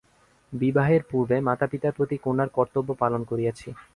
বিবাহের পূর্বে মাতাপিতার প্রতি কন্যার কর্তব্য পালন করিয়াছি।